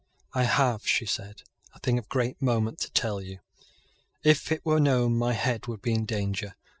"I have," she said, "a thing of great moment to tell you. If it were known, my head would be in danger.